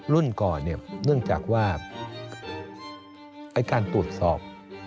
รุ่นก่อนเนี่ยเนื่องจากว่าไอ้การตรวจสอบ